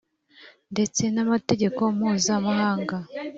ndetse n amategeko mpuzamahanga